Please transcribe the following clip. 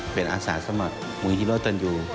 เป็นอาศาสตร์สมัครมุมฮิโรตรันยู